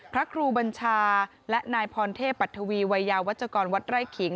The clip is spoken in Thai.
พระครูบัญชาและนายพรเทพปัทวีวัยยาวัชกรวัดไร่ขิง